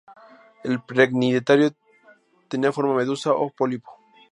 El pre-cnidario ¿tenía forma medusa o pólipo?